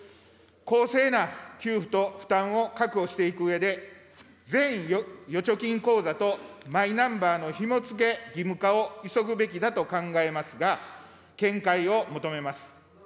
公正な給付と負担を確保していくうえで、全預貯金口座とマイナンバーのひも付け義務化を急ぐべきだと考えますが、見解を求めます。